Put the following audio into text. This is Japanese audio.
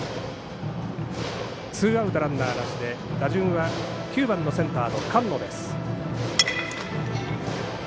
ツーアウトランナーなしで打順は９番のセンターの菅野です。